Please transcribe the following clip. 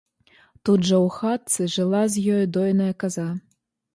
Тут жа ў хатцы жыла з ёю дойная каза.